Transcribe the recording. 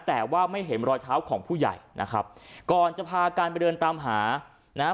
แต่ว่าไม่เห็นรอยเท้าของผู้ใหญ่นะครับก่อนจะพากันไปเดินตามหานะฮะ